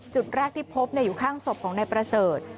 จุดแรกที่พบอยู่ข้างศพของนายประเสริฐ